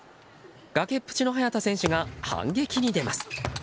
崖っぷちの早田選手が反撃に出ます。